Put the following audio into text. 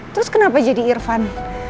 terus kenapa jadi irfan